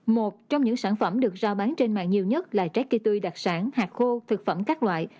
một trong những sản phẩm được giao bán trên mạng nhiều nhất là trái cây tươi đặc sản hạt khô thực phẩm các loại